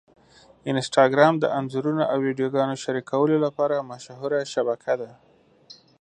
انسټاګرام د انځورونو او ویډیوګانو شریکولو لپاره مشهوره شبکه ده.